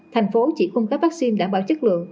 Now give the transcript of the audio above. thành phố chỉ cung cấp vaccine đảm bảo chất lượng